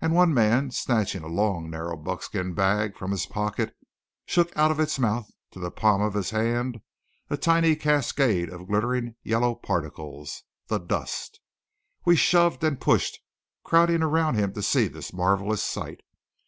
And one man snatching a long narrow buckskin bag from his pocket, shook out of its mouth to the palm of his hand a tiny cascade of glittering yellow particles the Dust! We shoved and pushed, crowding around him to see this marvellous sight.